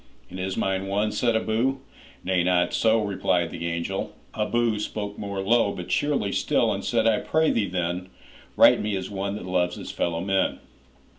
''And is mine one?' said Abou. 'Nay, not so,'Replied the angel. Abou spoke more low, But cheerly still, and said, 'I pray thee, then, Write me as one that loves his fellow men.